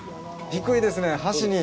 低いですね、橋に。